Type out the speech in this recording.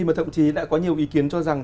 mà thậm chí đã có nhiều ý kiến cho rằng